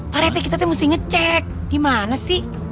pak reti kita teh mesti ngecek gimana sih